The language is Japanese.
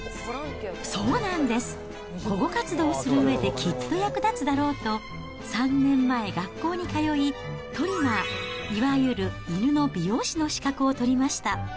そうなんです、保護活動をするうえできっと役立つだろうと、３年前、学校に通い、トリマー、いわゆる犬の美容師の資格を取りました。